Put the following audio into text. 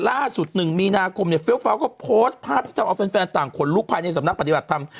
๑มีนาคมเนี่ยเฟี้ยวฟ้าวก็โพสต์ภาพที่ทำเอาแฟนต่างขนลุกภายในสำนักปฏิบัติธรรม